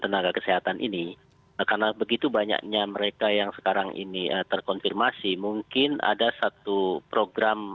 wariswaya dan kerajaan indonesia caller satu